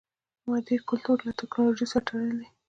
مادي کلتور له ټکنالوژي سره تړلی دی.